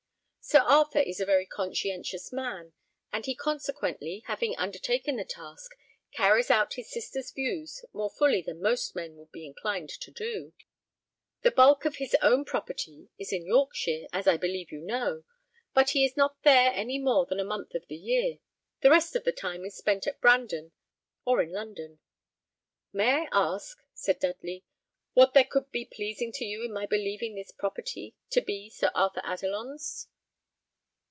Sir Arthur is a very conscientious man, and he consequently, having undertaken the task, carries out his sister's views more fully than most men would be inclined to do. The bulk of his own property is in Yorkshire, as I believe you know; but he is not there more than a month in the year. The rest of his time is spent at Brandon or in London." "May I ask," said Dudley, "what there could be pleasing to you in my believing this property to be Sir Arthur Adelon's?"